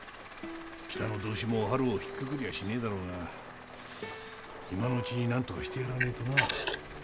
北の同心もおはるをひっくくりはしねえだろうが今のうちに何とかしてやらねえとな。